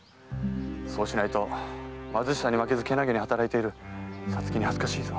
そうしないと貧しさに負けずけなげに働いている皐月に恥ずかしいぞ。